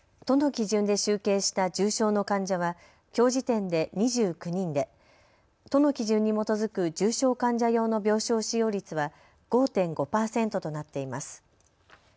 都の基準で集計した重症の患者はきょう時点で２９人で、都の基準に基づく重症患者用の病床使用率は５．５％となっています。